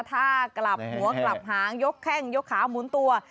ถ้ากลับหัวกลับหางยกแข้งยกขาหมุนตัว